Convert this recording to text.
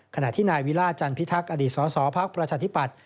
ขณะที่นายวิลาจันทร์พิทักษ์อดีตสอสอภาคประชาธิบัติ